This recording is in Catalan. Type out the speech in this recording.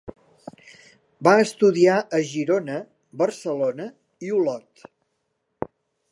Va estudiar a Girona, Barcelona i Olot.